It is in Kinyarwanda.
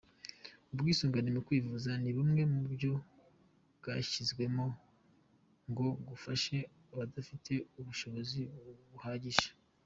Ubwisungane mu kwivuza ni bumwe mu buryo bwashyizweho ngo bufashe abadafite ubushobozi buhagije.